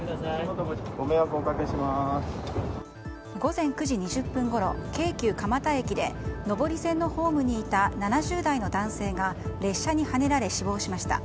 午前９時２０分ごろ京急蒲田駅で上り線のホームにいた７０代の男性が列車にはねられ死亡しました。